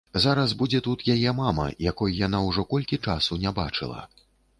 Зараз будзе тут яе мама, якой яна ўжо колькі часу не бачыла.